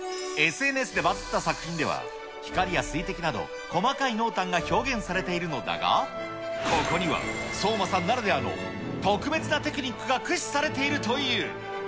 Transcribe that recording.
ＳＮＳでバズった作品では、光や水滴など、細かい濃淡が表現されているのだが、ここには、ソウマさんならではの特別なテクニックが駆使されているという。